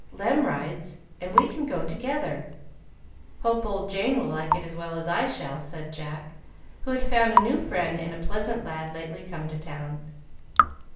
Lem rides, and we can go together. Hope old Jane will like it as well as I shall," said Jack, who had found a new friend in a pleasant lad lately come to town.